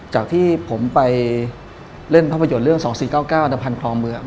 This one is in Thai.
จากที่ผมไปเล่นภาพยนตร์เรื่อง๒๔๙๙อัตภัณฑ์คลองเมือง